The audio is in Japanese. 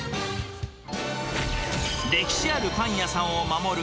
歴史あるパン屋さんを守る！